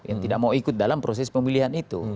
yang tidak mau ikut dalam proses pemilihan itu